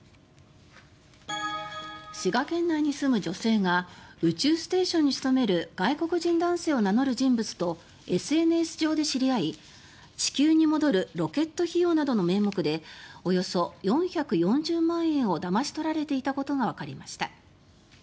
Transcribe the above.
滋賀県内に住む女性が宇宙ステーションに勤める外国人男性を名乗る人物とＳＮＳ上で知り合い地球に戻るロケット費用などの名目でおよそ４４０万円をだまし取られていたことがわかりました。